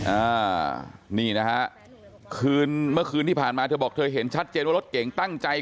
อ่านี่นะฮะคืนเมื่อคืนที่ผ่านมาเธอบอกเธอเห็นชัดเจนว่ารถเก่งตั้งใจ